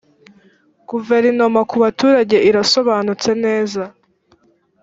guverinoma ku baturage irasobanutse neza .